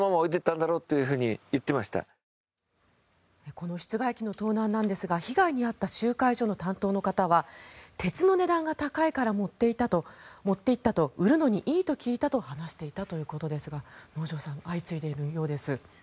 この室外機の盗難なんですが被害に遭った集会場の担当の方は鉄の値段が高いから持っていったと売るのにいいと聞いたと話していたということですが能條さん相次いでいるようです。